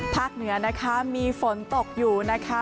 ภาคเหนือมีฝนตกอยู่นะคะ